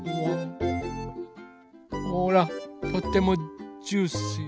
ほらとってもジューシー。